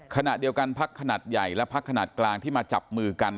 ขณะเดียวกันพักขนาดใหญ่และพักขนาดกลางที่มาจับมือกัน